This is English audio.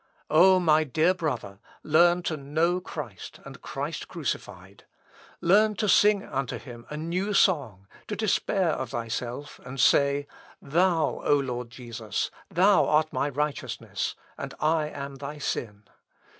"O my dear brother, learn to know Christ and Christ crucified. Learn to sing unto him a new song; to despair of thyself, and say, 'Thou, O Lord Jesus! thou art my righteousness, and I am thy sin!